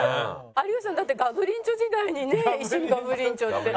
有吉さんだって『ガブリンチョ』時代にね一緒にガブリンチョって。